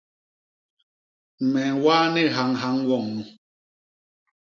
Me ñwaa ni hañhañ woñ nu!